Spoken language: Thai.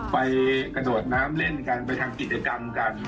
ไปกระโดดน้ำเล่นกันไปทำกิจกรรมกัน